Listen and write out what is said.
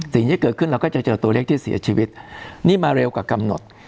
สิ่งที่เกิดขึ้นเราก็จะเจอตัวเลขที่เสียชีวิตนี่มาเร็วกว่ากำหนด